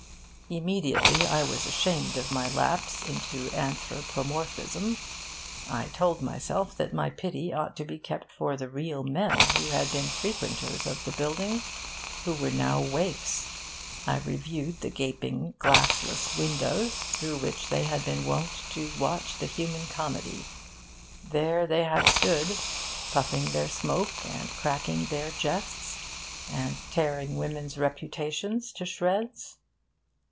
Immediately, I was ashamed of my lapse into anthropomorphism. I told myself that my pity ought to be kept for the real men who had been frequenters of the building, who now were waifs. I reviewed the gaping, glassless windows through which they had been wont to watch the human comedy. There they had stood, puffing their smoke and cracking their jests, and tearing women's reputations to shreds.